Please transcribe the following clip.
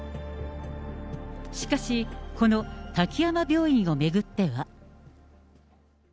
しかし、この滝山病院を巡っては。